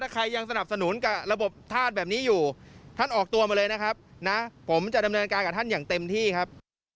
ใครยังสนับสนุนกับระบบธาตุแบบนี้อยู่ท่านออกตัวมาเลยนะครับนะผมจะดำเนินการกับท่านอย่างเต็มที่ครับ